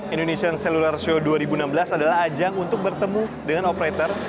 indonesian celular show dua ribu enam belas adalah ajang untuk bertemu dengan operator